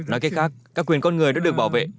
nói cách khác các quyền con người đã được bảo vệ